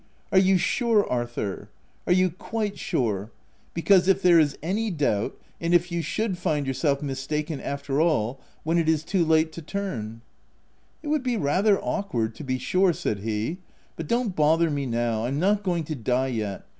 u Are you sure, Arthur 1 are you quite sure ? OF W1LDFELL HALL. 237 Because if there is any doubt, and if you should find yourself mistaken after all, when it is too late to turn —"" It would be rather awkward, to be sure/' said he ;" but don't bother me now — I'm not going to die yet.